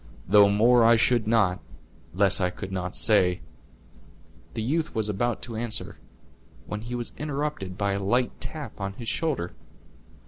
"Though more I should not, less I could not say," the youth was about to answer, when he was interrupted by a light tap on his shoulder.